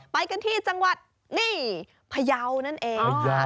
ไปกันที่จังหวัดนี่พยาวนั่นเอง